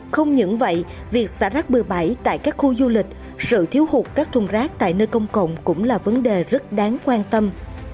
không những vậy việc xả rác bừa bãi tại các khu du lịch sự thiếu hụt các thùng rác tại nơi công cộng cũng là vấn đề rất đáng quan tâm